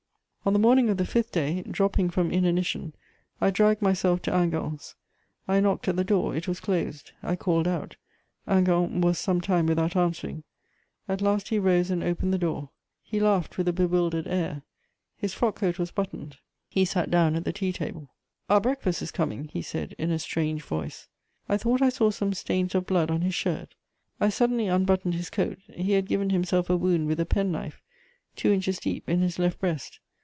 On the morning of the fifth day, dropping from inanition, I dragged myself to Hingant's; I knocked at the door: it was closed. I called out; Hingant was some time without answering: at last he rose and opened the door. He laughed with a bewildered air; his frock coat was buttoned; he sat down at the tea table. "Our breakfast is coming," he said in a strange voice. I thought I saw some stains of blood on his shirt; I suddenly unbuttoned his coat: he had given himself a wound with a penknife, two inches deep, in his left breast.